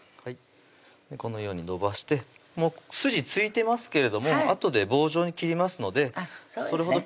このようにのばしてもう筋付いてますけれどもあとで棒状に切りますのでそれほど気にならないと思います